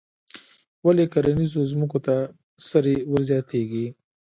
ولې کرنیزو ځمکو ته سرې ور زیاتیږي؟